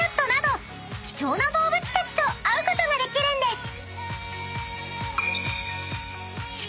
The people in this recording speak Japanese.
［貴重な動物たちと会うことができるんです］